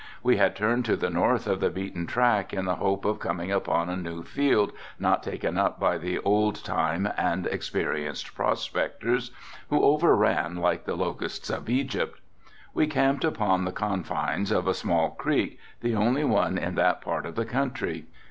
We had turned to the north of the beaten track in the hope of coming upon a new field not taken up by the old time and experienced prospectors, who over ran like the locusts of Egypt. We camped upon the confines of a small creek, the only one in that part of the country.